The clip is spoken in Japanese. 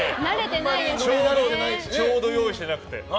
ちょうど用意してなくて。